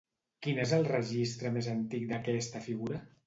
Quin és el registre més antic d'aquesta figura?